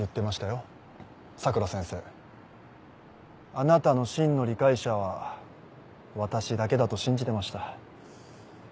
あなたの真の理解者は私だけだと信じてました。